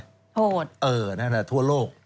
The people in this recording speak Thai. โทษเออนั่นแหละทั่วโลก